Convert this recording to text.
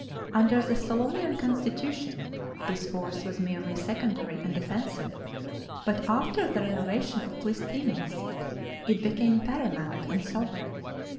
Under the Solonian constitution, this force was merely secondary and defensive, but after the renovation of Clisthenes it became paramount and sovereign.